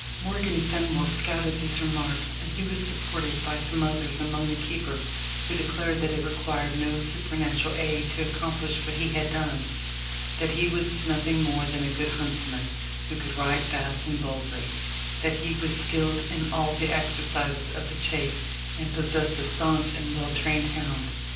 Morgan Fenwolf scouted these remarks; and he was supported by some others among the keepers, who declared that it required no supernatural aid to accomplish what he had done that he was nothing more than a good huntsman, who could ride fast and boldly that he was skilled in all the exercises of the chase, and possessed a stanch and well trained hound.